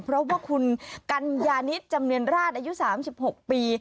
เพราะว่าคุณกัญญานิจจำเนียนราชอายุสามสิบหกปี